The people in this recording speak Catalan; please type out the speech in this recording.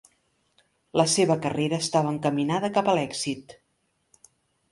La seva carrera estava encaminada cap a l'èxit.